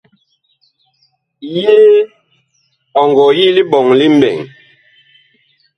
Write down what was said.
Yee ɔ ngɔ yi liɓɔŋ li mɓɛɛŋ ?